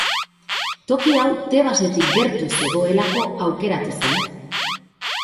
Toki hau Tebasetik gertu zegoelako aukeratu zen.